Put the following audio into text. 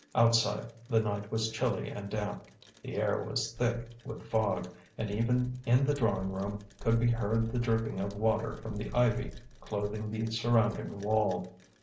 Outside, the night was chilly and damp, the air was thick with fog, and even in the drawing room could be heard the dripping of water from the ivy clothing the surrounding wall.